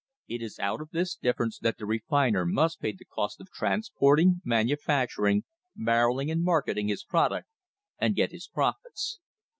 It is out of this difference that the refiner must pay the cost of transporting, manufacturing, barrelling and marketing his product, and get his profits.